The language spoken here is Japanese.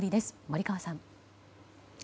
森川さん。